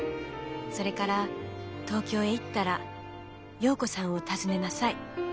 それから東京へ行ったら容子さんを訪ねなさい。